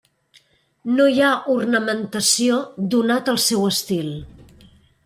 No hi ha ornamentació, donat el seu estil.